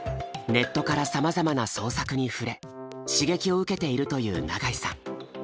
ネットからさまざまな創作に触れ刺激を受けているという永井さん。